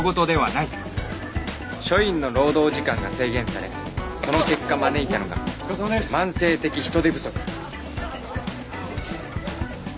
署員の労働時間が制限されその結果招いたのが慢性的人手不足